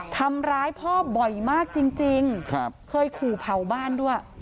ทำร้ายพ่อบ่อยมากจริงเคยขู่เผาบ้านด้วย